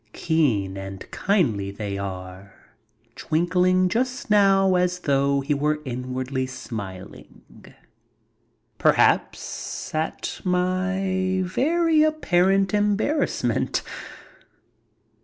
Keen and kindly they are, twinkling just now as though he were in wardly smiling, perhaps at my very apparent embarrassment.